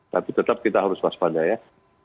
tapi tetap kita harus waspada ya